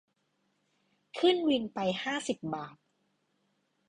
ขึ้นวินไปห้าสิบบาท